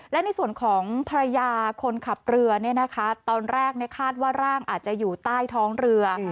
และในส่วนของภรรยาคนขับเรือตอนแรกคาดว่าร่างอาจจะอยู่ใต้ท้องเรือ